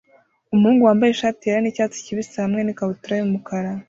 Umuhungu wambaye ishati yera nicyatsi kibisi hamwe nikabutura yumukara